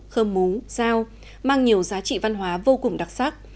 khơm mú giao mang nhiều giá trị văn hóa vô cùng đặc sắc